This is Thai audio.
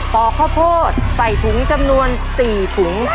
อกข้าวโพดใส่ถุงจำนวน๔ถุง